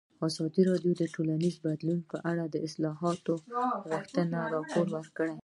ازادي راډیو د ټولنیز بدلون په اړه د اصلاحاتو غوښتنې راپور کړې.